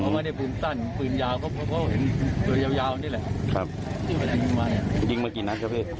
ไม่รู้ว่าโดนใครบ้างเพราะว่านั่งบังอยู่นี่มันก็อยู่มะ